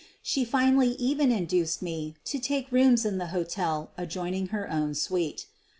She finally even induced me to take rooms in the hotel adjoining her own suite.